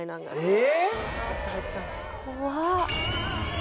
え。